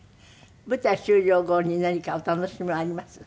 舞台終了後に何かお楽しみはあります？